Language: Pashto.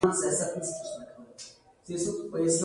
نور خو ډير زبردست وو